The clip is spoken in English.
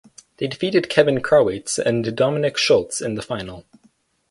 They defeated Kevin Krawietz and Dominik Schulz in the final.